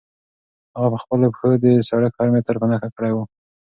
هغه په خپلو پښو د سړک هر متر په نښه کړی و.